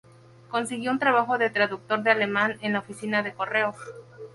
Consiguió un trabajo de traductor de alemán en la oficina de correos.